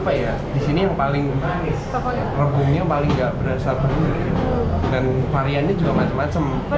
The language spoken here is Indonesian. apa ya disini yang paling rebungnya paling nggak berasa bener